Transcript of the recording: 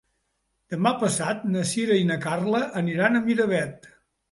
Demà passat na Sira i na Carla aniran a Miravet.